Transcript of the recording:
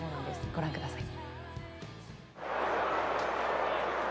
ご覧ください。